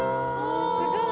すごい。